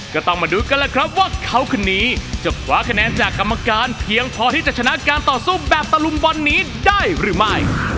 ก็ต้องมาดูกันล่ะครับว่าเขาคนนี้จะคว้าคะแนนจากกรรมการเพียงพอที่จะชนะการต่อสู้แบบตะลุมบอลนี้ได้หรือไม่